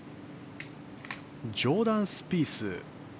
ジョーダン・スピース。